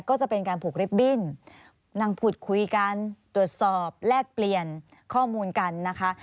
ก็จะเป็นการผูกริบบิ้นนั่งพูดคุยกันตรวจสอบแลกเปลี่ยนข้อมูลกันนะคะ